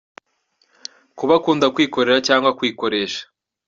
Kuba akunda kwikorera cg kwikoresha.